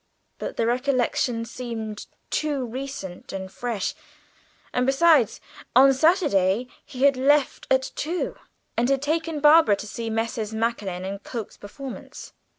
But the recollection seemed too recent and fresh; and besides, on Saturday, he had left at two, and had taken Barbara to see Messrs. Maskelyne and Cooke's performance.